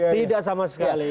tidak sama sekali